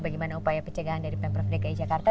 bagaimana upaya pencegahan dari pemprov dki jakarta